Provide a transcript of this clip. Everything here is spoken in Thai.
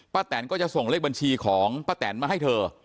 แตนก็จะส่งเลขบัญชีของป้าแตนมาให้เธอ